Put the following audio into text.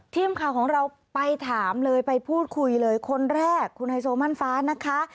ทีมข่าวของเราไปถามอะไรไปพูดคุยคนแรกคุณไฮโซบ้างฟ้านะคะ